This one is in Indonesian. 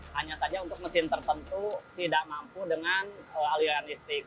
hanya saja untuk mesin tertentu tidak mampu dengan aliran listrik